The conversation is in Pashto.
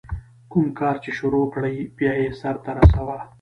کوم کار چي شروع کړې، بیا ئې سر ته رسوه.